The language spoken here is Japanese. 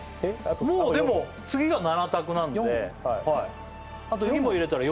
もうでも次が７択なんで４？